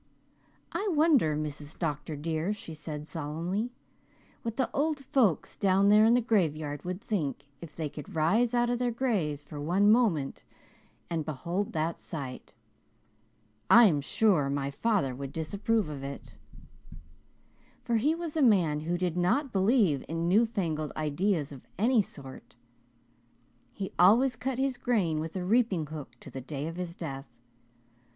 "I wonder, Mrs. Dr. dear," she said solemnly, "what the old folks down there in the graveyard would think if they could rise out of their graves for one moment and behold that sight. I am sure my father would disapprove of it, for he was a man who did not believe in new fangled ideas of any sort. He always cut his grain with a reaping hook to the day of his death.